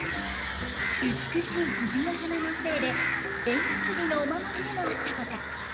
美しい藤の花の精で縁結びのお守りでもあったとか。